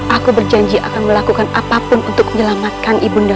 aku berjanji akan melakukan apapun untuk menyelamatkan ibu nda